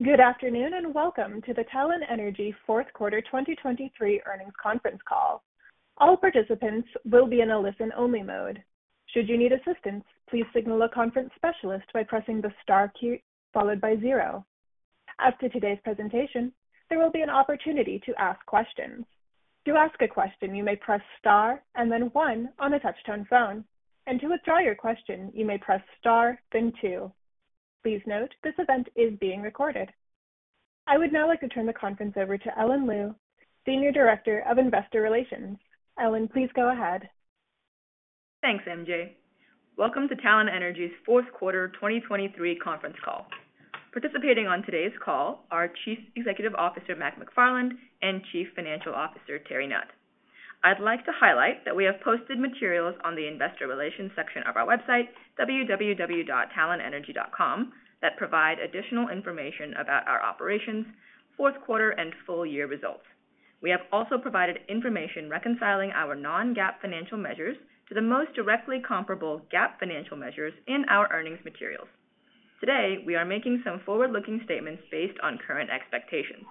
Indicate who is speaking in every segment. Speaker 1: Good afternoon, and welcome to the Talen Energy fourth quarter 2023 earnings conference call. All participants will be in a listen-only mode. Should you need assistance, please signal a conference specialist by pressing the star key, followed by zero. As to today's presentation, there will be an opportunity to ask questions. To ask a question, you may press star and then one on a touch-tone phone, and to withdraw your question, you may press star, then two. Please note, this event is being recorded. I would now like to turn the conference over to Ellen Liu, Senior Director of Investor Relations. Ellen, please go ahead.
Speaker 2: Thanks, M.J. Welcome to Talen Energy's fourth quarter 2023 conference call. Participating on today's call are Chief Executive Officer, Mac McFarland, and Chief Financial Officer, Terry Nutt. I'd like to highlight that we have posted materials on the investor relations section of our website, www.talenenergy.com, that provide additional information about our operations, fourth quarter, and full year results. We have also provided information reconciling our non-GAAP financial measures to the most directly comparable GAAP financial measures in our earnings materials. Today, we are making some forward-looking statements based on current expectations.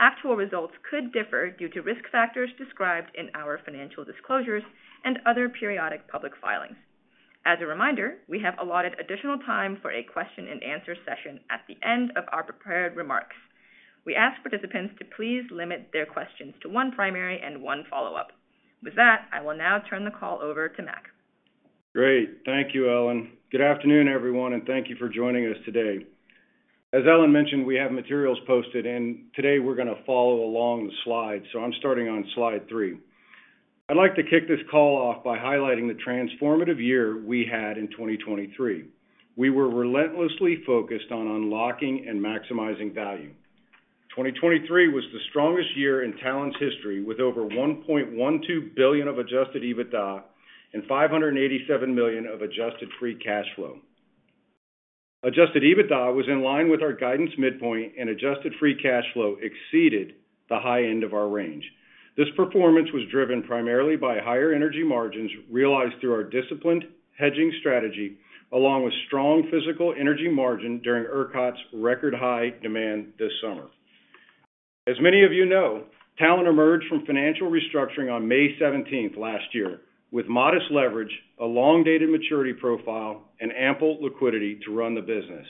Speaker 2: Actual results could differ due to risk factors described in our financial disclosures and other periodic public filings. As a reminder, we have allotted additional time for a question-and-answer session at the end of our prepared remarks. We ask participants to please limit their questions to one primary and one follow-up. With that, I will now turn the call over to Mac.
Speaker 3: Great. Thank you, Ellen. Good afternoon, everyone, and thank you for joining us today. As Ellen mentioned, we have materials posted, and today we're going to follow along the slides, so I'm starting on slide three. I'd like to kick this call off by highlighting the transformative year we had in 2023. We were relentlessly focused on unlocking and maximizing value. 2023 was the strongest year in Talen's history, with over $1.12 billion of Adjusted EBITDA and $587 million of Adjusted free cash flow. Adjusted EBITDA was in line with our guidance midpoint, and Adjusted free cash flow exceeded the high end of our range. This performance was driven primarily by higher energy margins realized through our disciplined hedging strategy, along with strong physical energy margin during ERCOT's record-high demand this summer. As many of you know, Talen emerged from financial restructuring on May 17th last year, with modest leverage, a long date and maturity profile, and ample liquidity to run the business.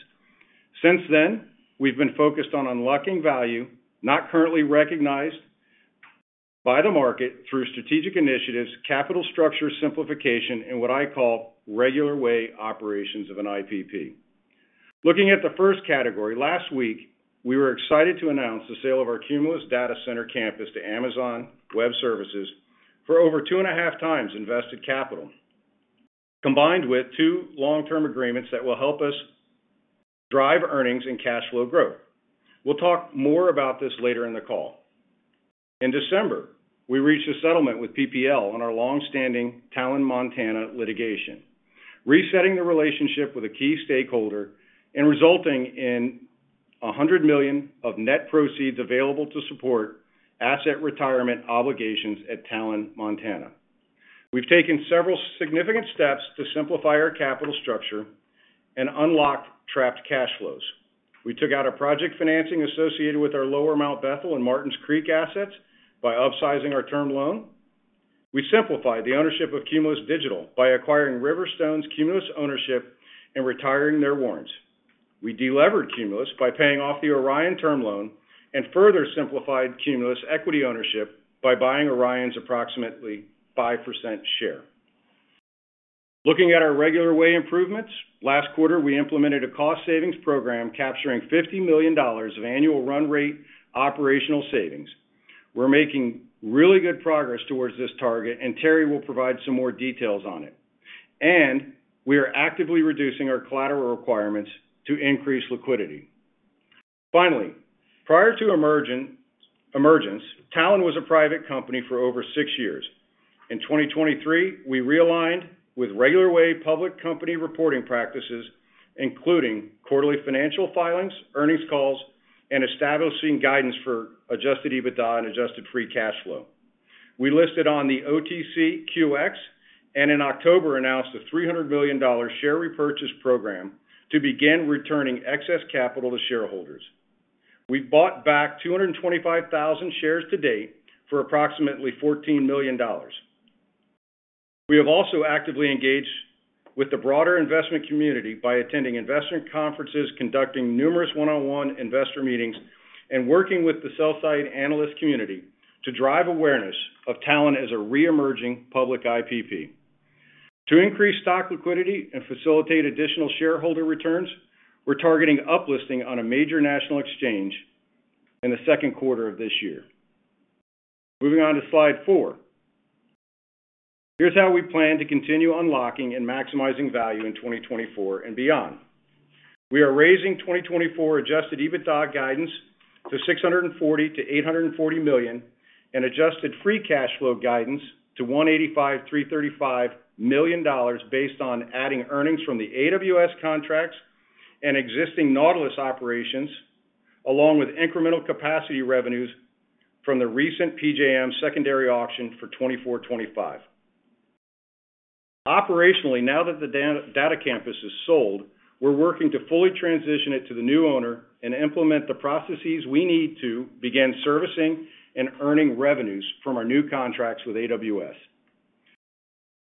Speaker 3: Since then, we've been focused on unlocking value not currently recognized by the market through strategic initiatives, capital structure simplification, and what I call regular way operations of an IPP. Looking at the first category, last week, we were excited to announce the sale of our Cumulus Data Center campus to Amazon Web Services for over 2.5x invested capital, combined with two long-term agreements that will help us drive earnings and cash flow growth. We'll talk more about this later in the call. In December, we reached a settlement with PPL on our long-standing Talen Montana litigation, resetting the relationship with a key stakeholder and resulting in $100 million of net proceeds available to support asset retirement obligations at Talen Montana. We've taken several significant steps to simplify our capital structure and unlock trapped cash flows. We took out a project financing associated with our Lower Mount Bethel and Martins Creek assets by upsizing our term loan. We simplified the ownership of Cumulus Digital by acquiring Riverstone's Cumulus ownership and retiring their warrants. We delevered Cumulus by paying off the Orion term loan and further simplified Cumulus equity ownership by buying Orion's approximately 5% share. Looking at our regular way improvements, last quarter, we implemented a cost savings program capturing $50 million of annual run rate operational savings. We're making really good progress towards this target, and Terry will provide some more details on it. We are actively reducing our collateral requirements to increase liquidity. Finally, prior to emergence, Talen was a private company for over six years. In 2023, we realigned with regular way public company reporting practices, including quarterly financial filings, earnings calls, and establishing guidance for Adjusted EBITDA and Adjusted free cash flow. We listed on the OTCQX, and in October, announced a $300 million share repurchase program to begin returning excess capital to shareholders. We bought back 225,000 shares to date for approximately $14 million. We have also actively engaged with the broader investment community by attending investment conferences, conducting numerous one-on-one investor meetings, and working with the sell-side analyst community to drive awareness of Talen as a reemerging public IPP. To increase stock liquidity and facilitate additional shareholder returns, we're targeting uplisting on a major national exchange in the second quarter of this year. Moving on to slide four. Here's how we plan to continue unlocking and maximizing value in 2024 and beyond. We are raising 2024 Adjusted EBITDA guidance to $640 million-$840 million, and adjusted free cash flow guidance to $185 million-$335 million, based on adding earnings from the AWS contracts and existing Nautilus operations, along with incremental capacity revenues from the recent PJM secondary auction for 2024-2025.... Operationally, now that the data campus is sold, we're working to fully transition it to the new owner and implement the processes we need to begin servicing and earning revenues from our new contracts with AWS.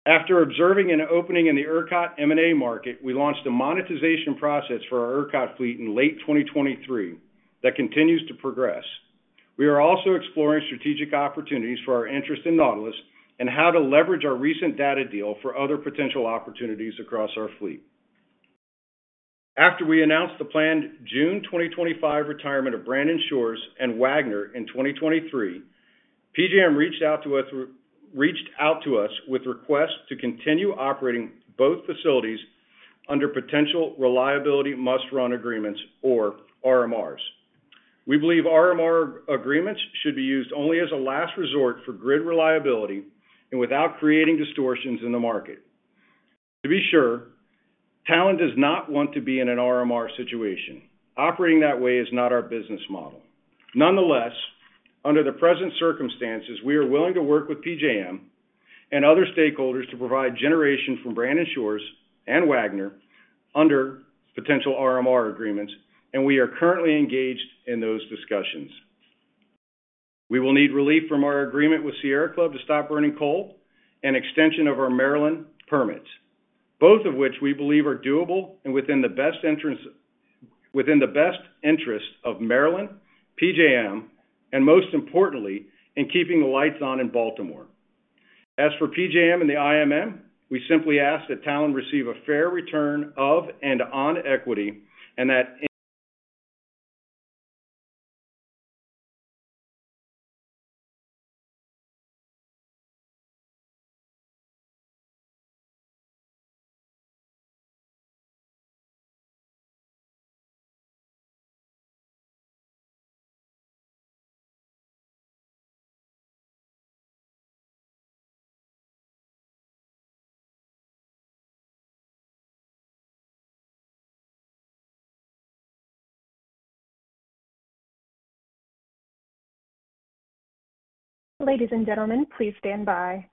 Speaker 3: After observing an opening in the ERCOT M&A market, we launched a monetization process for our ERCOT fleet in late 2023 that continues to progress. We are also exploring strategic opportunities for our interest in Nautilus and how to leverage our recent data deal for other potential opportunities across our fleet. After we announced the planned June 2025 retirement of Brandon Shores and Wagner in 2023, PJM reached out to us with requests to continue operating both facilities under potential reliability-must-run agreements or RMRs. We believe RMR agreements should be used only as a last resort for grid reliability and without creating distortions in the market. To be sure, Talen does not want to be in an RMR situation. Operating that way is not our business model. Nonetheless, under the present circumstances, we are willing to work with PJM and other stakeholders to provide generation from Brandon Shores and Wagner under potential RMR agreements, and we are currently engaged in those discussions. We will need relief from our agreement with Sierra Club to stop burning coal and extension of our Maryland permits, both of which we believe are doable and within the best interest, within the best interest of Maryland, PJM, and most importantly, in keeping the lights on in Baltimore. As for PJM and the IMM, we simply ask that Talen receive a fair return of and on equity, and that-
Speaker 1: Ladies and gentlemen, please stand by.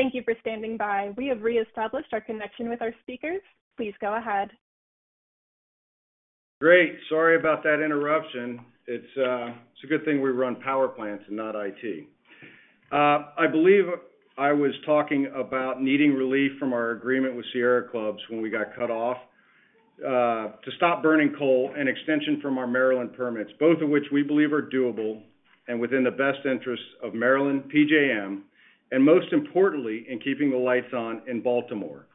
Speaker 1: Thank you for standing by. We have reestablished our connection with our speakers. Please go ahead.
Speaker 3: Great. Sorry about that interruption. It's, it's a good thing we run power plants and not IT. I believe I was talking about needing relief from our agreement with Sierra Club when we got cut off, to stop burning coal and extension from our Maryland permits, both of which we believe are doable and within the best interests of Maryland, PJM, and most importantly, in keeping the lights on in Baltimore.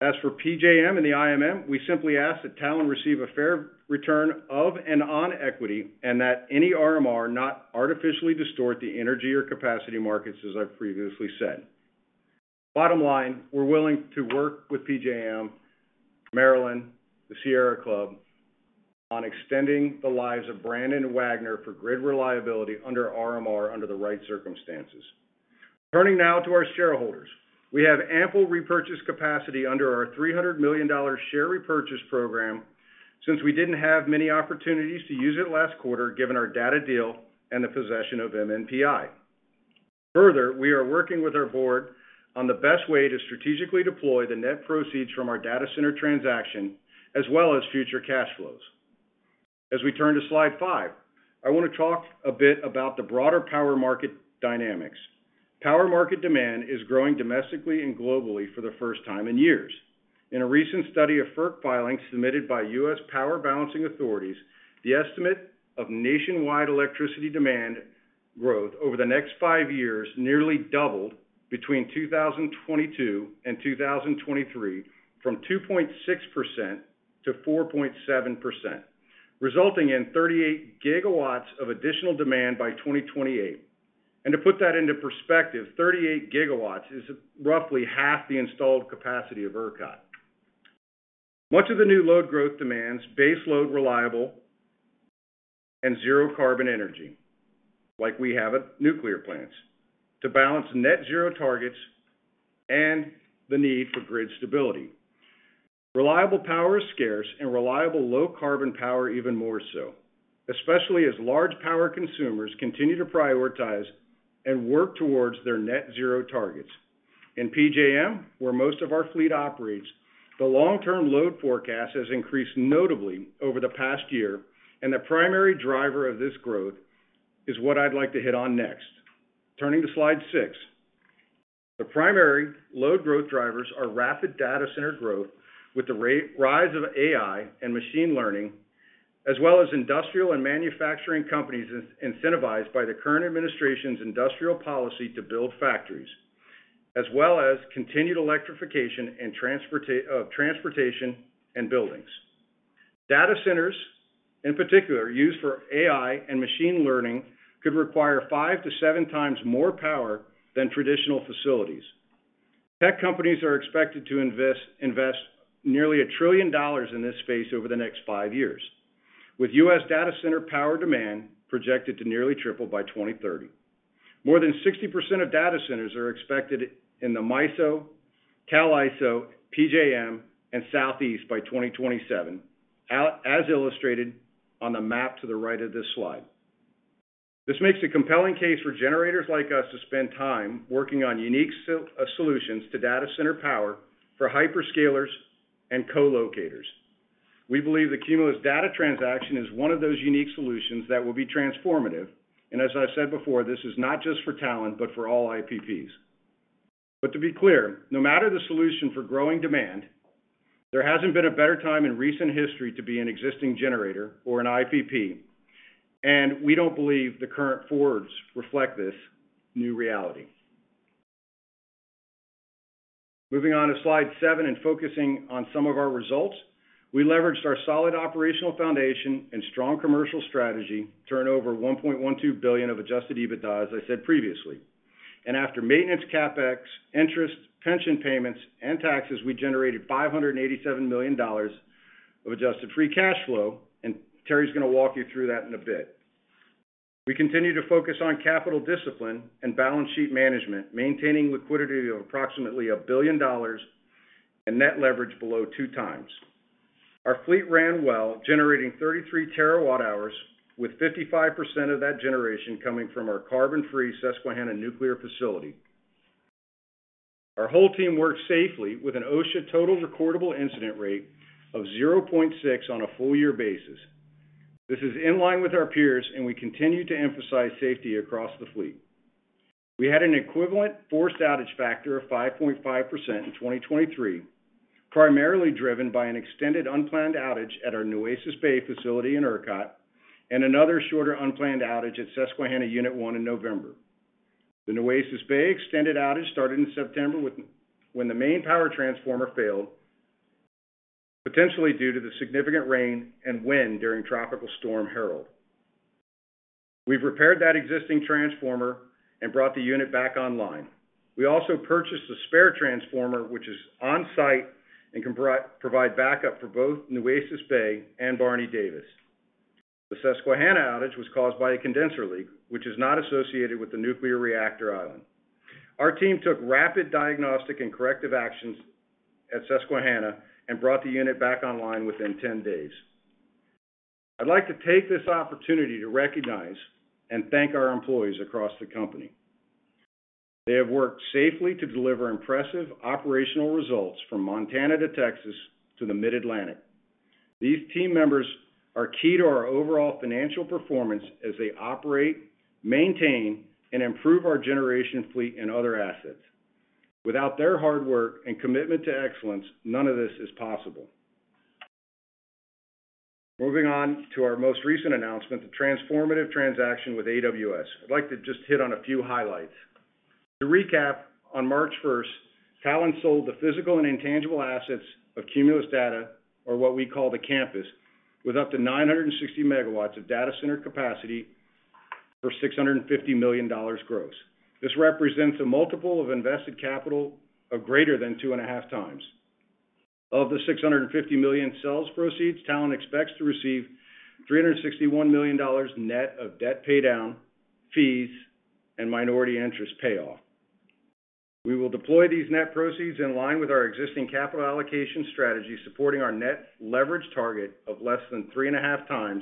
Speaker 3: As for PJM and the IMM, we simply ask that Talen receive a fair return of and on equity, and that any RMR not artificially distort the energy or capacity markets, as I've previously said. Bottom line, we're willing to work with PJM, Maryland, the Sierra Club, on extending the lives of Brandon and Wagner for grid reliability under RMR under the right circumstances. Turning now to our shareholders. We have ample repurchase capacity under our $300 million share repurchase program, since we didn't have many opportunities to use it last quarter, given our data deal and the possession of MNPI. Further, we are working with our board on the best way to strategically deploy the net proceeds from our data center transaction, as well as future cash flows. As we turn to slide five, I want to talk a bit about the broader power market dynamics. Power market demand is growing domestically and globally for the first time in years. In a recent study of FERC filings submitted by U.S. Power Balancing Authorities, the estimate of nationwide electricity demand growth over the next five years nearly doubled between 2022 and 2023, from 2.6% to 4.7%, resulting in 38 GW of additional demand by 2028. And to put that into perspective, 38 GW is roughly half the installed capacity of ERCOT. Much of the new load growth demands baseload, reliable, and zero carbon energy, like we have at nuclear plants, to balance net zero targets and the need for grid stability. Reliable power is scarce, and reliable low carbon power even more so, especially as large power consumers continue to prioritize and work towards their net zero targets. In PJM, where most of our fleet operates, the long-term load forecast has increased notably over the past year, and the primary driver of this growth is what I'd like to hit on next. Turning to slide six. The primary load growth drivers are rapid data center growth, with the rise of AI and machine learning, as well as industrial and manufacturing companies incentivized by the current administration's industrial policy to build factories, as well as continued electrification of transportation and buildings. Data centers, in particular, used for AI and machine learning, could require 5x-7x more power than traditional facilities. Tech companies are expected to invest nearly $1 trillion in this space over the next 5 years, with U.S. data center power demand projected to nearly triple by 2030. More than 60% of data centers are expected in the MISO, CAISO, PJM, and Southeast by 2027, as illustrated on the map to the right of this slide. This makes a compelling case for generators like us to spend time working on unique solutions to data center power for hyperscalers and co-locators. We believe the Cumulus Data transaction is one of those unique solutions that will be transformative, and as I've said before, this is not just for Talen, but for all IPPs. But to be clear, no matter the solution for growing demand, there hasn't been a better time in recent history to be an existing generator or an IPP, and we don't believe the current forwards reflect this new reality. Moving on to slide seven and focusing on some of our results. We leveraged our solid operational foundation and strong commercial strategy, to turn over $1.12 billion of Adjusted EBITDA, as I said previously. After maintenance, CapEx, interest, pension payments, and taxes, we generated $587 million of adjusted free cash flow, and Terry's going to walk you through that in a bit. We continue to focus on capital discipline and balance sheet management, maintaining liquidity of approximately $1 billion and net leverage below 2x. Our fleet ran well, generating 33 TWh, with 55% of that generation coming from our carbon-free Susquehanna Nuclear Facility. Our whole team worked safely with an OSHA total recordable incident rate of 0.6 on a full-year basis. This is in line with our peers, and we continue to emphasize safety across the fleet. We had an equivalent forced outage factor of 5.5% in 2023, primarily driven by an extended unplanned outage at our Nueces Bay facility in ERCOT, and another shorter unplanned outage at Susquehanna Unit 1 in November. The Nueces Bay extended outage started in September when the main power transformer failed, potentially due to the significant rain and wind during Tropical Storm Harold. We've repaired that existing transformer and brought the unit back online. We also purchased a spare transformer, which is on-site and can provide backup for both Nueces Bay and Barney Davis. The Susquehanna outage was caused by a condenser leak, which is not associated with the nuclear reactor island. Our team took rapid diagnostic and corrective actions at Susquehanna and brought the unit back online within 10 days. I'd like to take this opportunity to recognize and thank our employees across the company. They have worked safely to deliver impressive operational results from Montana to Texas to the Mid-Atlantic. These team members are key to our overall financial performance as they operate, maintain, and improve our generation fleet and other assets. Without their hard work and commitment to excellence, none of this is possible. Moving on to our most recent announcement, the transformative transaction with AWS. I'd like to just hit on a few highlights. To recap, on March first, Talen sold the physical and intangible assets of Cumulus Data, or what we call the campus, with up to 960 MW of data center capacity for $650 million gross. This represents a multiple of invested capital of greater than 2.5x. Of the $650 million sales proceeds, Talen expects to receive $361 million net of debt paydown, fees, and minority interest payoff. We will deploy these net proceeds in line with our existing capital allocation strategy, supporting our net leverage target of less than 3.5x,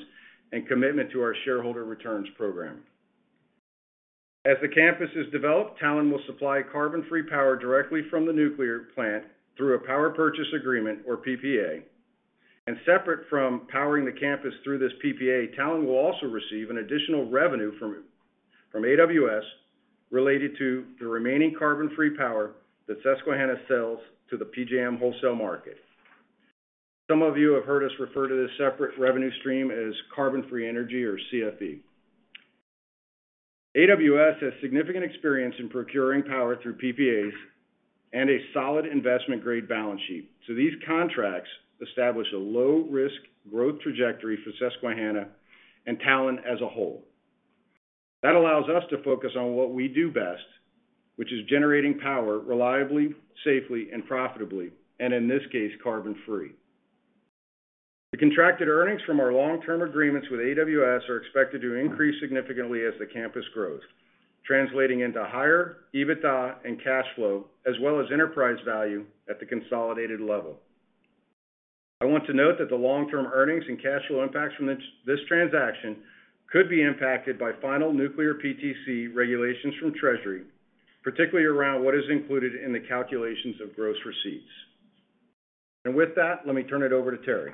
Speaker 3: and commitment to our shareholder returns program. As the campus is developed, Talen will supply carbon-free power directly from the nuclear plant through a power purchase agreement or PPA. Separate from powering the campus through this PPA, Talen will also receive an additional revenue from AWS related to the remaining carbon-free power that Susquehanna sells to the PJM wholesale market. Some of you have heard us refer to this separate revenue stream as carbon-free energy, or CFE. AWS has significant experience in procuring power through PPAs and a solid investment-grade balance sheet, so these contracts establish a low-risk growth trajectory for Susquehanna and Talen as a whole. That allows us to focus on what we do best, which is generating power reliably, safely and profitably, and in this case, carbon-free. The contracted earnings from our long-term agreements with AWS are expected to increase significantly as the campus grows, translating into higher EBITDA and cash flow, as well as enterprise value at the consolidated level. I want to note that the long-term earnings and cash flow impacts from this transaction could be impacted by final nuclear PTC regulations from Treasury, particularly around what is included in the calculations of gross receipts. And with that, let me turn it over to Terry.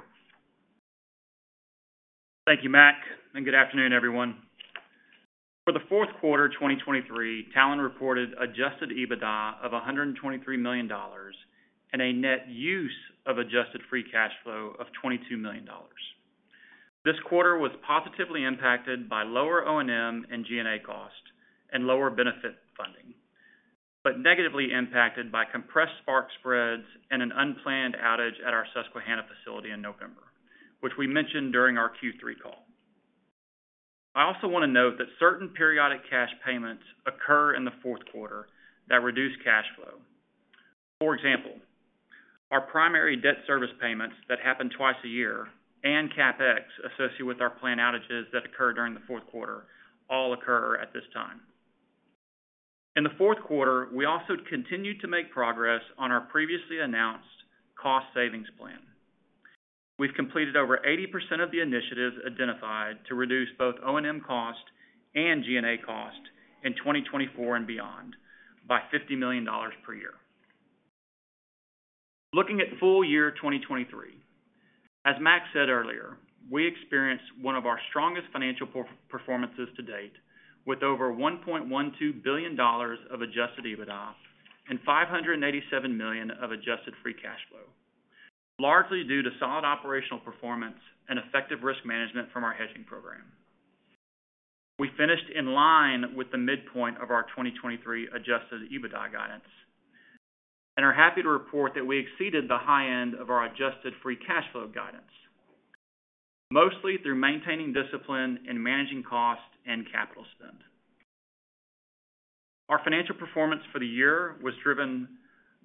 Speaker 4: Thank you, Mac, and good afternoon, everyone. For the fourth quarter of 2023, Talen reported Adjusted EBITDA of $123 million and a net use of adjusted free cash flow of $22 million. This quarter was positively impacted by lower O&M and G&A cost and lower benefit funding, but negatively impacted by compressed spark spreads and an unplanned outage at our Susquehanna facility in November, which we mentioned during our Q3 call. I also want to note that certain periodic cash payments occur in the fourth quarter that reduce cash flow. For example, our primary debt service payments that happen twice a year and CapEx associated with our plant outages that occur during the fourth quarter, all occur at this time. In the fourth quarter, we also continued to make progress on our previously announced cost savings plan. We've completed over 80% of the initiatives identified to reduce both O&M cost and G&A cost in 2024 and beyond by $50 million per year. Looking at full year 2023, as Mac said earlier, we experienced one of our strongest financial performances to date, with over $1.12 billion of Adjusted EBITDA and $587 million of adjusted free cash flow, largely due to solid operational performance and effective risk management from our hedging program. We finished in line with the midpoint of our 2023 Adjusted EBITDA guidance, and are happy to report that we exceeded the high end of our adjusted free cash flow guidance, mostly through maintaining discipline and managing cost and capital spend. Our financial performance for the year was driven by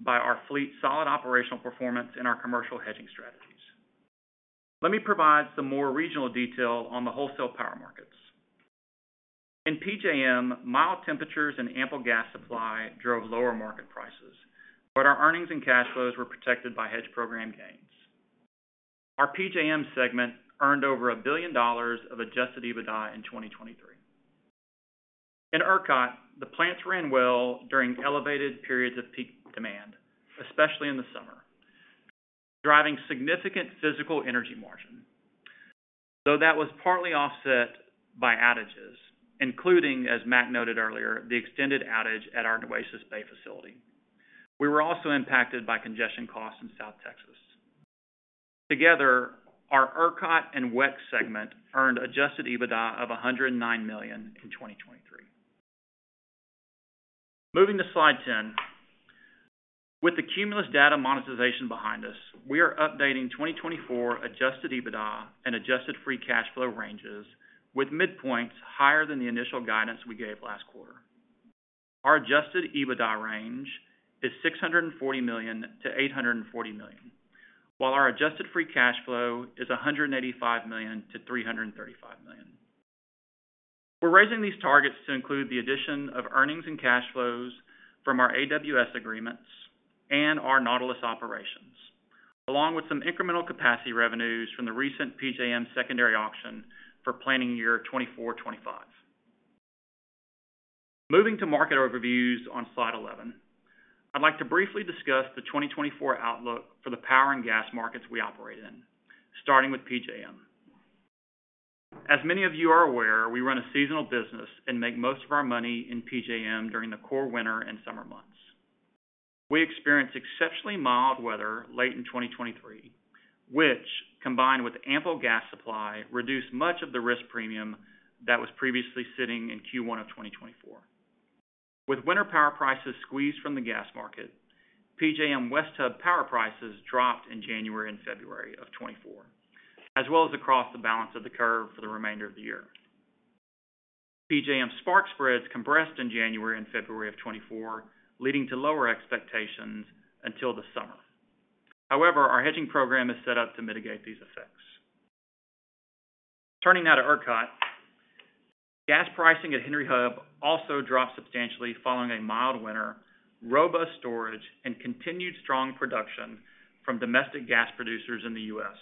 Speaker 4: our fleet's solid operational performance and our commercial hedging strategies. Let me provide some more regional detail on the wholesale power markets. In PJM, mild temperatures and ample gas supply drove lower market prices, but our earnings and cash flows were protected by hedge program gains. Our PJM segment earned over $1 billion of Adjusted EBITDA in 2023. In ERCOT, the plants ran well during elevated periods of peak demand, especially in the summer, driving significant physical energy margin. Though that was partly offset by outages, including, as Mac noted earlier, the extended outage at our Nueces Bay facility. We were also impacted by congestion costs in South Texas. Together, our ERCOT and WECC segment earned Adjusted EBITDA of $109 million in 2023. Moving to slide 10. With the Cumulus Data monetization behind us, we are updating 2024 Adjusted EBITDA and adjusted free cash flow ranges with midpoints higher than the initial guidance we gave last quarter. Our Adjusted EBITDA range is $640 million-$840 million, while our adjusted free cash flow is $185 million-$335 million. We're raising these targets to include the addition of earnings and cash flows from our AWS agreements and our Nautilus operations, along with some incremental capacity revenues from the recent PJM secondary auction for planning year 2024-2025. Moving to market overviews on slide 11, I'd like to briefly discuss the 2024 outlook for the power and gas markets we operate in, starting with PJM. As many of you are aware, we run a seasonal business and make most of our money in PJM during the core winter and summer months. We experienced exceptionally mild weather late in 2023, which, combined with ample gas supply, reduced much of the risk premium that was previously sitting in Q1 of 2024. With winter power prices squeezed from the gas market, PJM West Hub power prices dropped in January and February of 2024, as well as across the balance of the curve for the remainder of the year. PJM spark spreads compressed in January and February of 2024, leading to lower expectations until the summer. However, our hedging program is set up to mitigate these effects. Turning now to ERCOT. Gas pricing at Henry Hub also dropped substantially following a mild winter, robust storage, and continued strong production from domestic gas producers in the U.S.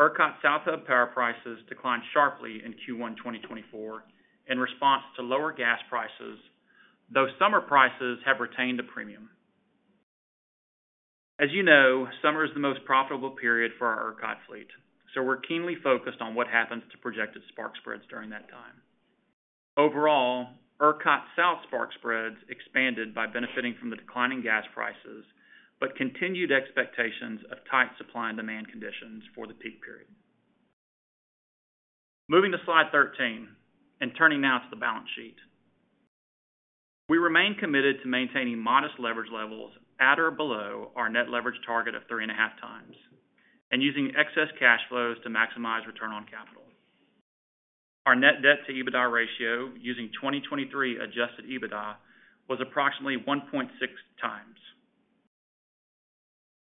Speaker 4: ERCOT South Hub power prices declined sharply in Q1 2024 in response to lower gas prices, though summer prices have retained a premium. As you know, summer is the most profitable period for our ERCOT fleet, so we're keenly focused on what happens to projected spark spreads during that time. Overall, ERCOT South Spark spreads expanded by benefiting from the declining gas prices, but continued expectations of tight supply and demand conditions for the peak period. Moving to slide 13 and turning now to the balance sheet. We remain committed to maintaining modest leverage levels at or below our net leverage target of 3.5x, and using excess cash flows to maximize return on capital. Our net debt to EBITDA ratio, using 2023 Adjusted EBITDA, was approximately 1.6x.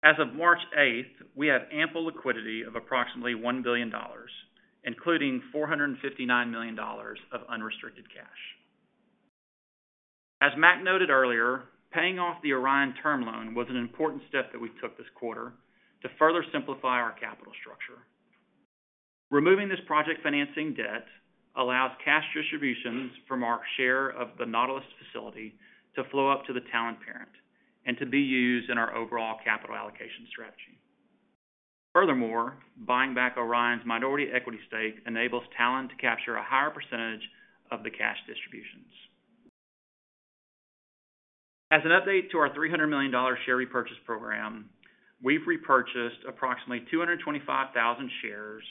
Speaker 4: As of March 8, we had ample liquidity of approximately $1 billion, including $459 million of unrestricted cash. As Mac noted earlier, paying off the Orion term loan was an important step that we took this quarter to further simplify our capital structure. Removing this project financing debt allows cash distributions from our share of the Nautilus facility to flow up to the Talen parent and to be used in our overall capital allocation strategy. Furthermore, buying back Orion's minority equity stake enables Talen to capture a higher percentage of the cash distributions. As an update to our $300 million share repurchase program, we've repurchased approximately 225,000 shares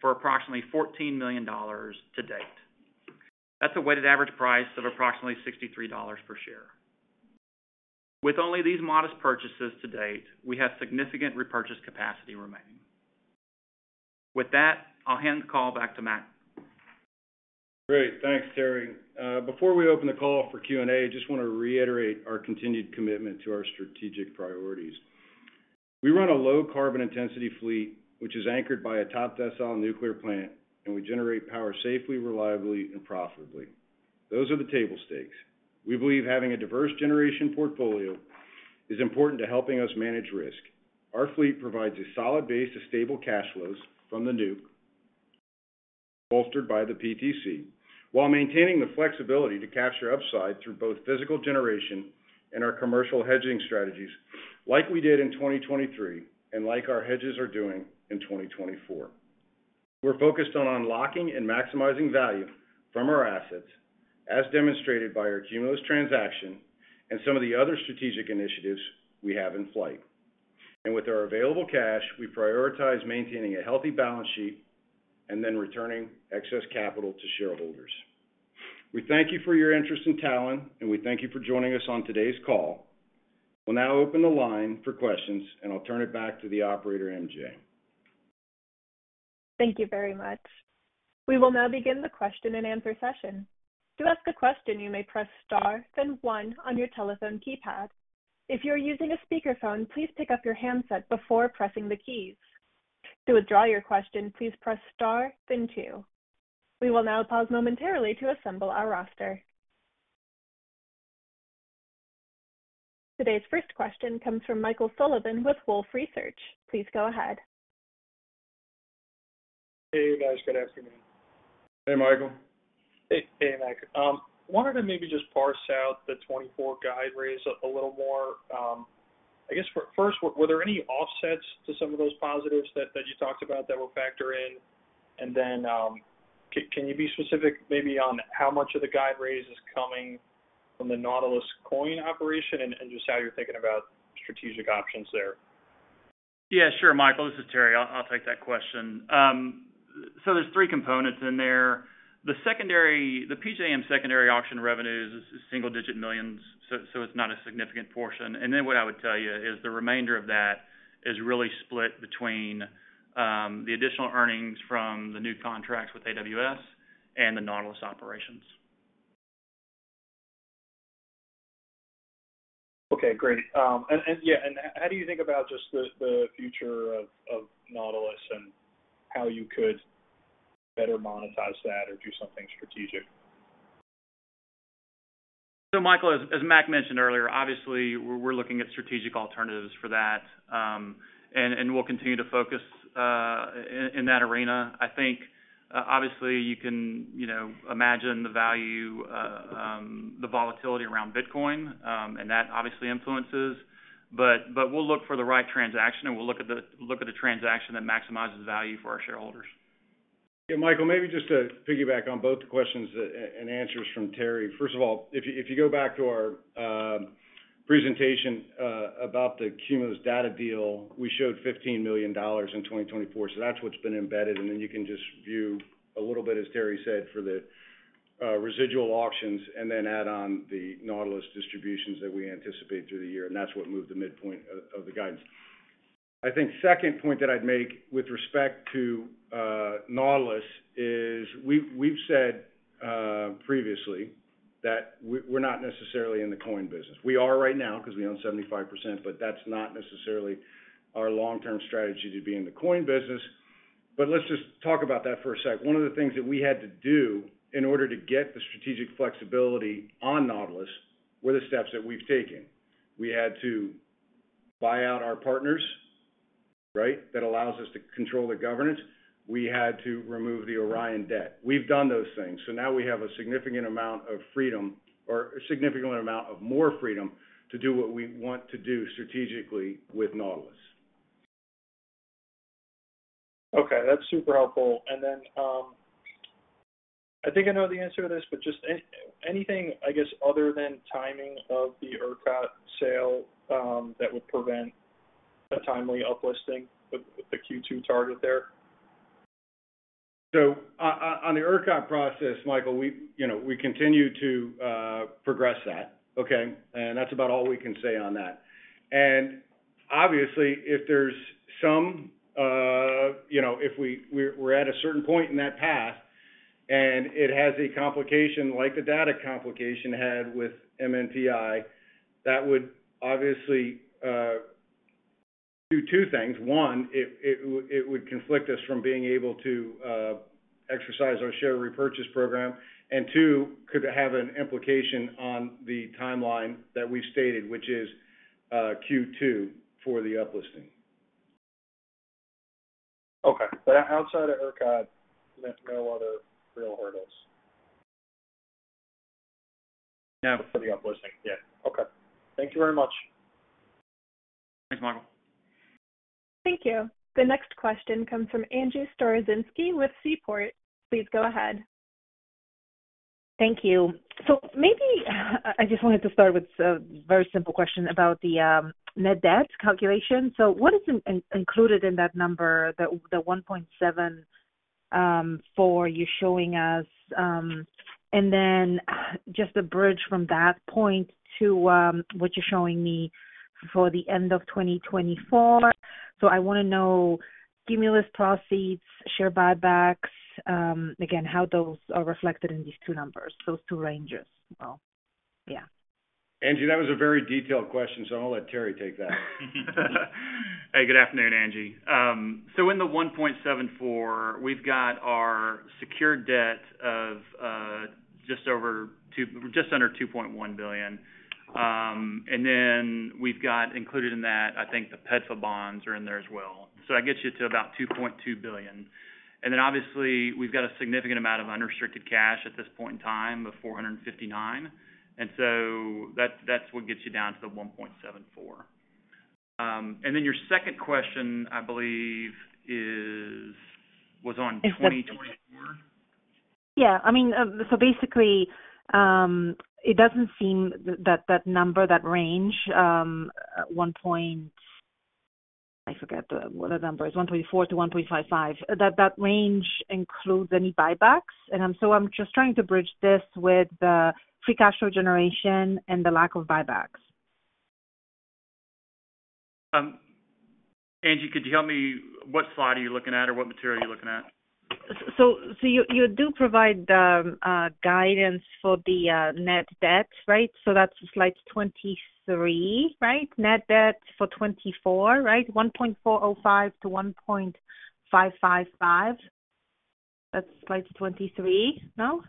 Speaker 4: for approximately $14 million to date. That's a weighted average price of approximately $63 per share. With only these modest purchases to date, we have significant repurchase capacity remaining. With that, I'll hand the call back to Mac.
Speaker 3: Great. Thanks, Terry. Before we open the call for Q&A, I just want to reiterate our continued commitment to our strategic priorities. We run a low-carbon intensity fleet, which is anchored by a top-decile nuclear plant, and we generate power safely, reliably, and profitably. Those are the table stakes. We believe having a diverse generation portfolio is important to helping us manage risk. Our fleet provides a solid base of stable cash flows from the nuke, bolstered by the PTC, while maintaining the flexibility to capture upside through both physical generation and our commercial hedging strategies, like we did in 2023 and like our hedges are doing in 2024. We're focused on unlocking and maximizing value from our assets, as demonstrated by our Cumulus transaction and some of the other strategic initiatives we have in flight. With our available cash, we prioritize maintaining a healthy balance sheet and then returning excess capital to shareholders. We thank you for your interest in Talen, and we thank you for joining us on today's call. We'll now open the line for questions, and I'll turn it back to the operator, MJ.
Speaker 1: Thank you very much. We will now begin the question-and-answer session. To ask a question, you may press star, then one on your telephone keypad. If you are using a speakerphone, please pick up your handset before pressing the keys. To withdraw your question, please press star, then two. We will now pause momentarily to assemble our roster. Today's first question comes from Michael Sullivan with Wolfe Research. Please go ahead.
Speaker 5: Hey, guys. Good afternoon.
Speaker 3: Hey, Michael.
Speaker 5: Hey, hey, Mac. Wanted to maybe just parse out the 2024 guide raise up a little more. I guess, first, were there any offsets to some of those positives that you talked about that we're factoring? And then, can you be specific maybe on how much of the guide raise is coming from the Nautilus crypto operation and just how you're thinking about strategic options there?
Speaker 4: Yeah, sure, Michael. This is Terry. I'll take that question. So there's three components in there. The secondary - the PJM secondary auction revenues is single-digit millions, so it's not a significant portion. And then what I would tell you is the remainder of that is really split between the additional earnings from the new contracts with AWS and the Nautilus operations.
Speaker 5: Okay, great. And yeah, how do you think about just the future of Nautilus and how you could better monetize that or do something strategic?
Speaker 4: So Michael, as Mac mentioned earlier, obviously we're looking at strategic alternatives for that. And we'll continue to focus in that arena. I think obviously you can, you know, imagine the value, the volatility around Bitcoin, and that obviously influences. But we'll look for the right transaction, and we'll look at the transaction that maximizes value for our shareholders.
Speaker 3: Yeah, Michael, maybe just to piggyback on both the questions and answers from Terry. First of all, if you, if you go back to our presentation about the Cumulus data deal, we showed $15 million in 2024, so that's what's been embedded. And then you can just view a little bit, as Terry said, for the residual auctions and then add on the Nautilus distributions that we anticipate through the year, and that's what moved the midpoint of the guidance. I think second point that I'd make with respect to Nautilus is we've said previously that we're not necessarily in the coin business. We are right now because we own 75%, but that's not necessarily our long-term strategy to be in the coin business. But let's just talk about that for a sec. One of the things that we had to do in order to get the strategic flexibility on Nautilus, were the steps that we've taken. We had to buy out our partners, right? That allows us to control the governance. We had to remove the Orion debt. We've done those things, so now we have a significant amount of freedom or a significant amount of more freedom to do what we want to do strategically with Nautilus.
Speaker 5: Okay, that's super helpful. And then, I think I know the answer to this, but just anything, I guess, other than timing of the ERCOT sale, that would prevent a timely uplisting with the Q2 target there?
Speaker 3: So on the ERCOT process, Michael, we, you know, we continue to progress that, okay? And that's about all we can say on that. And obviously, if there's some, you know, if we're at a certain point in that path, and it has a complication like the data complication had with MNPI, that would obviously do two things. One, it would conflict us from being able to exercise our share repurchase program, and two, could have an implication on the timeline that we've stated, which is Q2 for the uplisting.
Speaker 5: Okay. But outside of ERCOT, there's no other real hurdles?
Speaker 3: No, for the uplisting. Yeah.
Speaker 5: Okay. Thank you very much.
Speaker 4: Thanks, Michael.
Speaker 1: Thank you. The next question comes from Angie Storozynski with Seaport. Please go ahead.
Speaker 6: Thank you. Maybe, I just wanted to start with a very simple question about the net debt calculation. What is included in that number, the $1.74 you're showing us? And then, just to bridge from that point to what you're showing me for the end of 2024. I want to know stimulus proceeds, share buybacks, again, how those are reflected in these two numbers, those two ranges. Well, yeah.
Speaker 3: Angie, that was a very detailed question, so I'll let Terry take that.
Speaker 4: Hey, good afternoon, Angie. So in the $1.74, we've got our secured debt of just over two—just under $2.1 billion. And then we've got included in that, I think, the PEDFA bonds are in there as well. So that gets you to about $2.2 billion. And then obviously, we've got a significant amount of unrestricted cash at this point in time of $459 million. And so that's what gets you down to the $1.74. And then your second question, I believe, is—was on 2024?
Speaker 6: Yeah. I mean, so basically, it doesn't seem that that number, that range, one point... I forget the, what the number is, 1.4-1.55. That, that range includes any buybacks. And so I'm just trying to bridge this with the free cash flow generation and the lack of buybacks.
Speaker 4: Angie, could you help me? What slide are you looking at, or what material are you looking at?
Speaker 6: So, you do provide guidance for the net debt, right? So that's slide 23, right? Net debt for 2024, right? $1.405-$1.555. That's slide 23, no?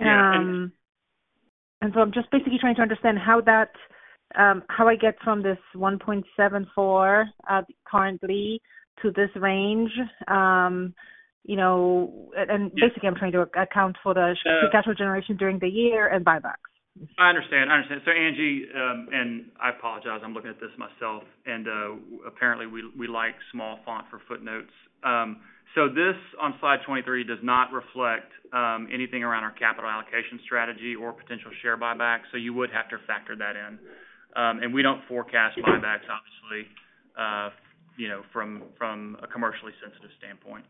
Speaker 6: And so I'm just basically trying to understand how that, how I get from this $1.74 currently to this range. You know, and basically, I'm trying to account for the free cash flow generation during the year and buybacks.
Speaker 4: I understand. I understand. So Angie, and I apologize, I'm looking at this myself, and apparently we like small font for footnotes. So this on slide 23 does not reflect anything around our capital allocation strategy or potential share buybacks, so you would have to factor that in. And we don't forecast buybacks, obviously, you know, from a commercially sensitive standpoint.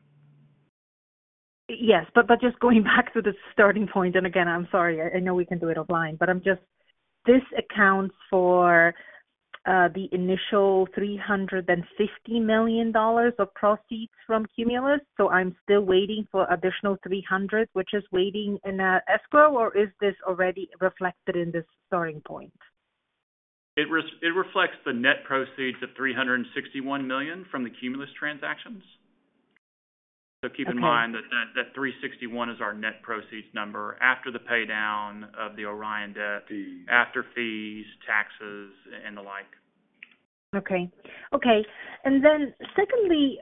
Speaker 6: Yes, but just going back to the starting point, and again, I'm sorry, I know we can do it offline, but this accounts for the initial $350 million of proceeds from Cumulus, so I'm still waiting for additional $300 million, which is waiting in escrow, or is this already reflected in this starting point?
Speaker 4: It reflects the net proceeds of $361 million from the Cumulus transactions. So keep in mind that that $361 is our net proceeds number after the pay down of the Orion debt, after fees, taxes, and the like.
Speaker 6: Okay. Okay, and then secondly,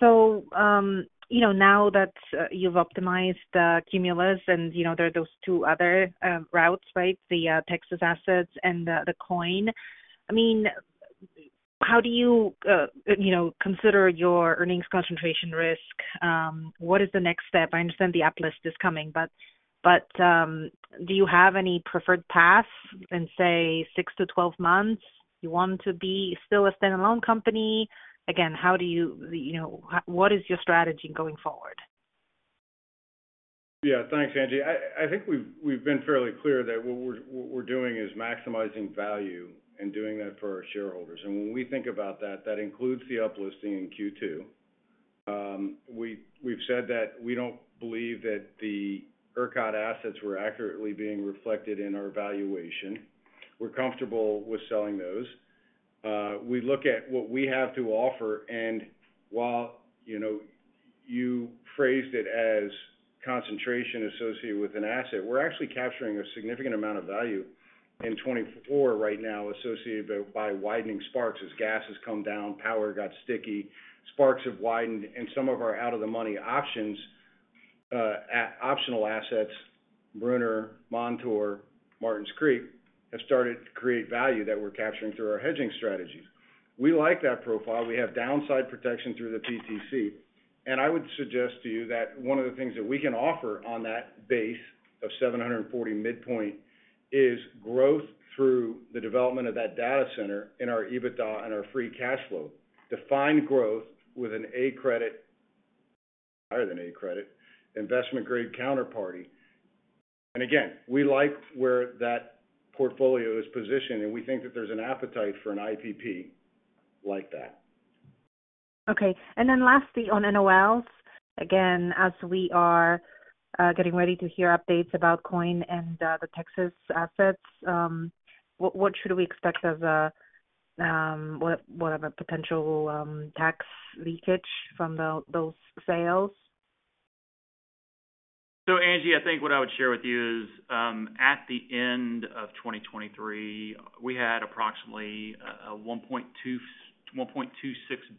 Speaker 6: you know, now that you've optimized the Cumulus and, you know, there are those two other routes, right? The Texas assets and the Nautilus. I mean, how do you, you know, consider your earnings concentration risk? What is the next step? I understand the uplist is coming, but, do you have any preferred paths in, say, six to 12 months? You want to be still a stand-alone company. Again, how do you, you know, what is your strategy going forward?
Speaker 3: Yeah, thanks, Angie. I think we've been fairly clear that what we're doing is maximizing value and doing that for our shareholders. And when we think about that, that includes the uplisting in Q2. We've said that we don't believe that the ERCOT assets were accurately being reflected in our valuation. We're comfortable with selling those. We look at what we have to offer, and while, you know, you phrased it as concentration associated with an asset, we're actually capturing a significant amount of value in 2024 right now, associated by widening sparks. As gas has come down, power got sticky, sparks have widened, and some of our out of the money options at optional assets, Brunner, Montour, Martins Creek, have started to create value that we're capturing through our hedging strategies. We like that profile. We have downside protection through the PTC, and I would suggest to you that one of the things that we can offer on that base of 740 midpoint is growth through the development of that data center in our EBITDA and our free cash flow. Define growth with an A credit, higher than A credit, investment-grade counterparty. Again, we like where that portfolio is positioned, and we think that there's an appetite for an IPP like that.
Speaker 6: Okay. And then lastly, on NOLs, again, as we are getting ready to hear updates about coin and the Texas assets, what are the potential tax leakage from those sales?
Speaker 4: So, Angie, I think what I would share with you is, at the end of 2023, we had approximately $1.26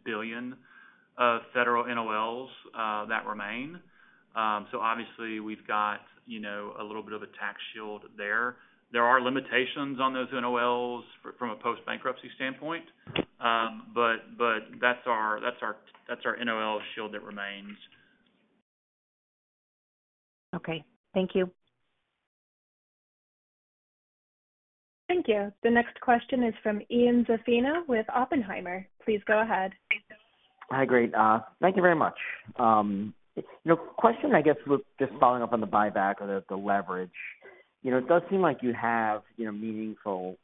Speaker 4: billion of federal NOLs that remain. So obviously, we've got, you know, a little bit of a tax shield there. There are limitations on those NOLs from a post-bankruptcy standpoint. But, but that's our, that's our, that's our NOL shield that remains.
Speaker 6: Okay, thank you.
Speaker 1: Thank you. The next question is from Ian Zaffino with Oppenheimer. Please go ahead.
Speaker 7: Hi, great. Thank you very much. You know, question, I guess, just following up on the buyback or the leverage. You know, it does seem like you have, you know, meaningful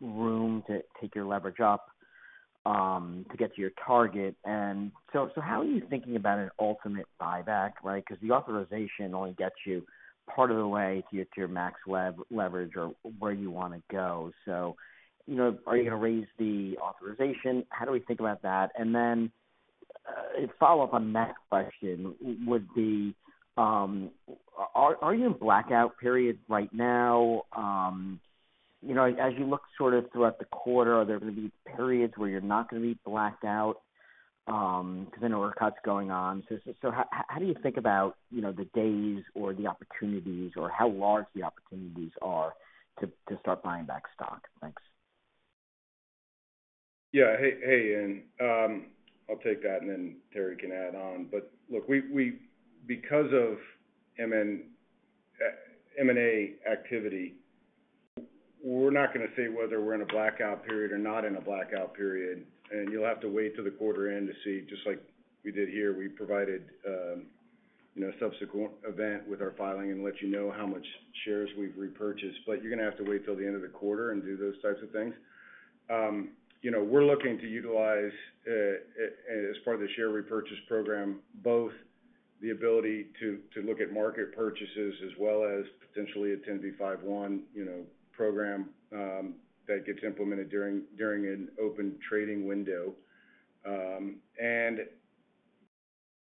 Speaker 7: room to take your leverage up to get to your target. And so how are you thinking about an ultimate buyback, right? Because the authorization only gets you part of the way to get to your max leverage or where you want to go. So, you know, are you going to raise the authorization? How do we think about that? And then, a follow-up on that question would be, are you in blackout periods right now? You know, as you look sort of throughout the quarter, are there going to be periods where you're not going to be blacked out because then ERCOT's going on. How do you think about, you know, the days or the opportunities or how large the opportunities are to start buying back stock? Thanks.
Speaker 3: Yeah. Hey, hey, Ian. I'll take that, and then Terry can add on. But look, we because of M&A activity, we're not going to say whether we're in a blackout period or not in a blackout period, and you'll have to wait till the quarter end to see. Just like we did here, we provided, you know, subsequent event with our filing and let you know how much shares we've repurchased. But you're going to have to wait till the end of the quarter and do those types of things. You know, we're looking to utilize, as part of the share repurchase program, both the ability to look all as potentially a 10b5-1, you know, program, that gets implemented during an open trading window.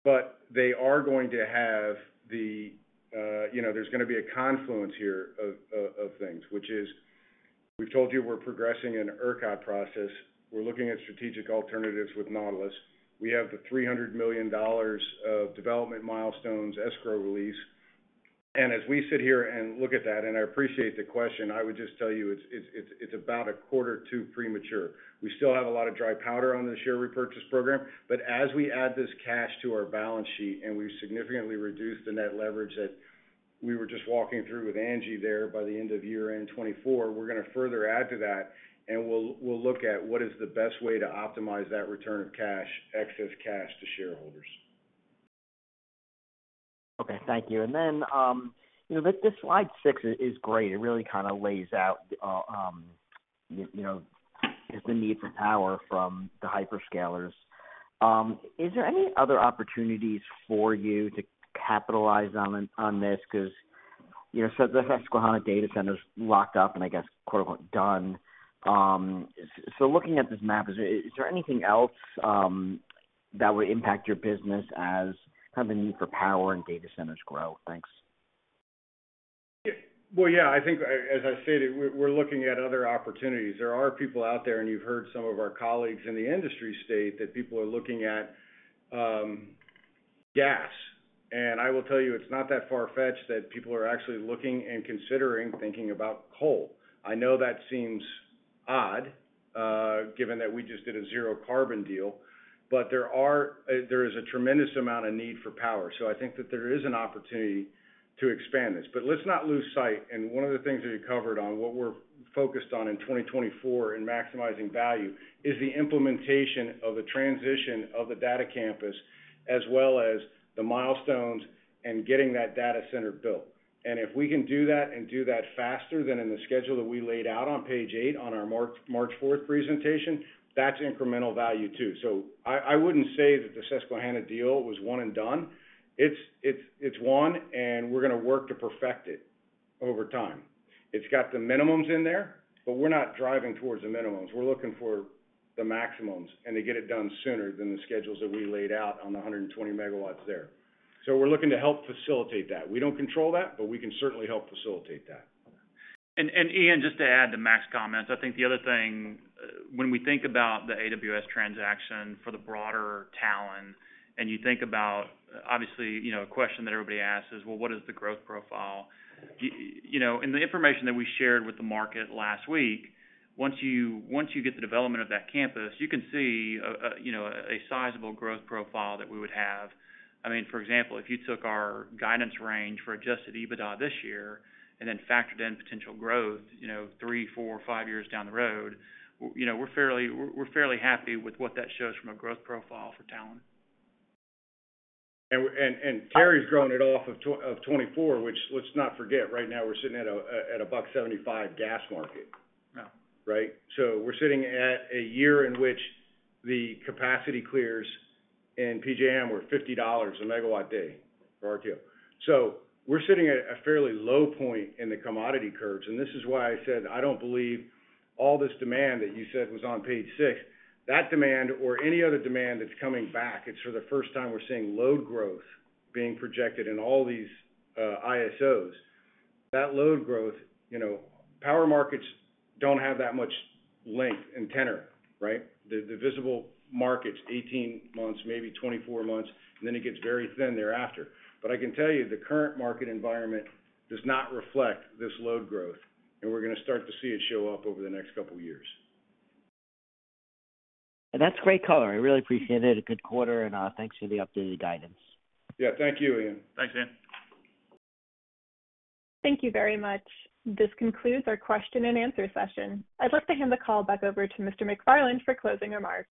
Speaker 3: But they are going to have the, you know, there's going to be a confluence here of things, which is we've told you we're progressing an ERCOT process. We're looking at strategic alternatives with Nautilus. We have the $300 million of development milestones, escrow release. And as we sit here and look at that, and I appreciate the question, I would just tell you, it's about a quarter or two premature. We still have a lot of dry powder on the share repurchase program, but as we add this cash to our balance sheet and we've significantly reduced the net leverage that we were just walking through with Angie there by the end of year-end 2024, we're going to further add to that, and we'll, we'll look at what is the best way to optimize that return of cash, excess cash to shareholders. ...
Speaker 7: Okay, thank you. And then, you know, this, this slide six is, is great. It really kind of lays out, you know, just the need for power from the hyperscalers. Is there any other opportunities for you to capitalize on, on this? Because, you know, so the Susquehanna Data Center is locked up and I guess, quote, unquote, "done." So looking at this map, is, is there anything else, that would impact your business as kind of the need for power and data centers grow? Thanks.
Speaker 3: Well, yeah, I think, as I stated, we're looking at other opportunities. There are people out there, and you've heard some of our colleagues in the industry state, that people are looking at gas. And I will tell you, it's not that far-fetched that people are actually looking and considering thinking about coal. I know that seems odd, given that we just did a zero carbon deal, but there is a tremendous amount of need for power, so I think that there is an opportunity to expand this. But let's not lose sight, and one of the things that you covered on what we're focused on in 2024 in maximizing value, is the implementation of the transition of the data campus, as well as the milestones and getting that data center built. And if we can do that and do that faster than in the schedule that we laid out on page eihgt on our March 4 presentation, that's incremental value, too. So I, I wouldn't say that the Susquehanna deal was one and done. It's, it's, it's one, and we're going to work to perfect it over time. It's got the minimums in there, but we're not driving towards the minimums. We're looking for the maximums, and to get it done sooner than the schedules that we laid out on the 120 MW there. So we're looking to help facilitate that. We don't control that, but we can certainly help facilitate that.
Speaker 4: Ian, just to add to Mac's comments, I think the other thing, when we think about the AWS transaction for the broader Talen, and you think about, obviously, you know, a question that everybody asks is, "Well, what is the growth profile?" You know, in the information that we shared with the market last week, once you get the development of that campus, you can see, you know, a sizable growth profile that we would have. I mean, for example, if you took our guidance range for Adjusted EBITDA this year and then factored in potential growth, you know, three, four, five years down the road, you know, we're fairly happy with what that shows from a growth profile for Talen.
Speaker 3: Terry's growing it off of 2024, which, let's not forget, right now we're sitting at a $1.75 gas market.
Speaker 4: Yeah.
Speaker 3: Right? So we're sitting at a year in which the capacity clears and PJM were $50 a megawatt day for RTO. So we're sitting at a fairly low point in the commodity curves, and this is why I said, I don't believe all this demand that you said was on page six, that demand or any other demand that's coming back, it's for the first time we're seeing load growth being projected in all these, ISOs. That load growth, you know, power markets don't have that much length and tenor, right? The visible market's 18 months, maybe 24 months, and then it gets very thin thereafter. But I can tell you, the current market environment does not reflect this load growth, and we're going to start to see it show up over the next couple of years.
Speaker 7: That's great color. I really appreciate it. A good quarter, and, thanks for the updated guidance.
Speaker 3: Yeah. Thank you, Ian.
Speaker 4: Thanks, Ian.
Speaker 1: Thank you very much. This concludes our question-and-answer session. I'd like to hand the call back over to Mr. McFarland for closing remarks.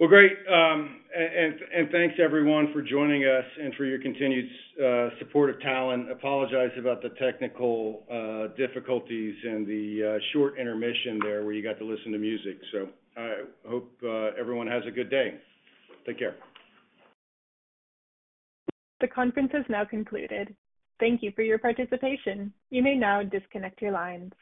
Speaker 3: Well, great, and thanks, everyone, for joining us and for your continued support of Talen. Apologize about the technical difficulties and the short intermission there, where you got to listen to music. So I hope everyone has a good day. Take care.
Speaker 1: The conference is now concluded. Thank you for your participation. You may now disconnect your lines.